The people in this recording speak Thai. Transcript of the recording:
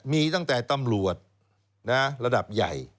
มีตั้งแต่ตำรวจระดับใหญ่